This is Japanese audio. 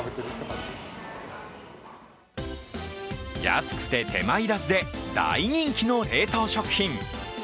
安くて手間要らずで大人気の冷凍食品。